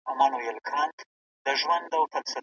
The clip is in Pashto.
که خلګ رښتيا ووايي، باور زياتېږي.